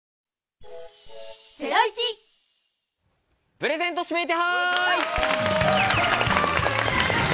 プレゼント指名手配！